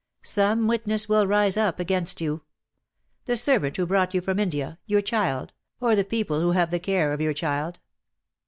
Some witness will rise up against you. The servant who brought you from India, your child — or the people who have the care of your child."